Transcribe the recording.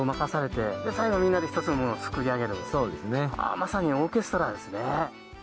まさにオーケストラですね